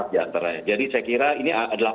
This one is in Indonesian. diantaranya jadi saya kira ini adalah